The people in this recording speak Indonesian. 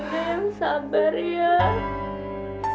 bu ini suaraku